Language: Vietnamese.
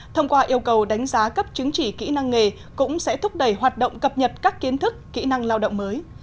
thông qua yêu cầu đánh giá cấp chứng chỉ kỹ năng nghề cũng sẽ thúc đẩy hoạt động cập nhật các kiến thức kỹ năng lao động mới